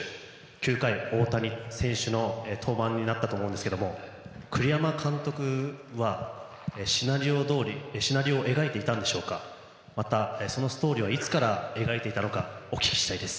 ９回、大谷選手の登板になったと思うんですけども栗山監督はシナリオどおりシナリオ描いていたのでしょうかまた、そのストーリーはいつから描いていたのかお聞きしたいです。